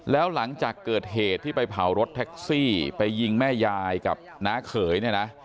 แล้วหลังจากเกิดเหตุที่ไปเผารถแท็กซี่ไปยิงแม่ยายกับน้าเขยเนี่ยนะ